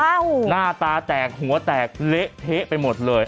หน้าตาแตกหัวแตกเละเทะไปหมดเลย